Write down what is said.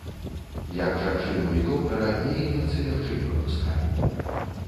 Як жанчыну і доктара, яе немцы лягчэй прапускалі.